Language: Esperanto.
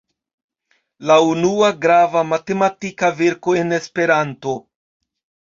La unua grava matematika verko en Esperanto.